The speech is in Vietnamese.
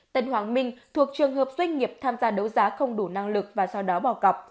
tân hoàng minh thuộc trường hợp doanh nghiệp tham gia đấu giá không đủ năng lực và sau đó bỏ cọc